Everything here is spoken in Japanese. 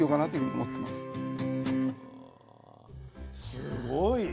すごい。